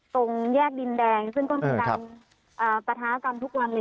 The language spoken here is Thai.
ตรงแยกดินแดงซึ่งก็มีการปะท้ากันทุกวันเลย